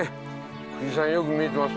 富士山よく見えてます。